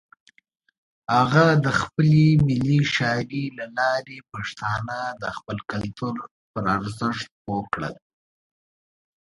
هغه د خپلې شاعرۍ له لارې پښتانه د خپل کلتور پر ارزښت پوه کړل.